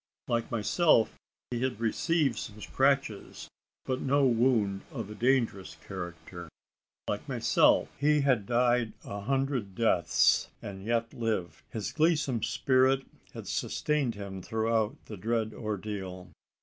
Like myself, he had received some scratches, but no wound of a dangerous character. Like myself, he had died a hundred deaths, and yet lived! His gleesome spirit had sustained him throughout the dread ordeal.